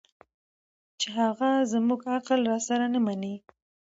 چې هغه زموږ عقل راسره نه مني